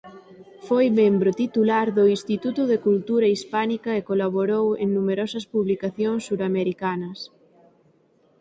Foi membro titular do Instituto de Cultura Hispánica e colaborou en numerosas publicacións suramericanas.